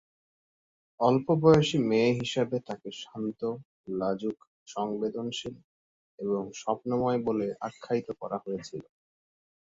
অল্প বয়সী মেয়ে হিসাবে তাকে শান্ত, লাজুক, সংবেদনশীল এবং স্বপ্নময় বলে আখ্যায়িত করা হয়েছিল।